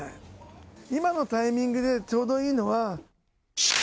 今のタイミングでちょうどいいのは。